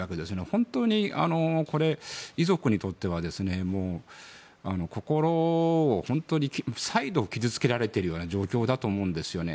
本当に遺族にとっては心を、本当に再度傷付けられているような状況だと思うんですよね。